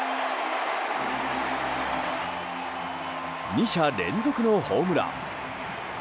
２者連続のホームラン。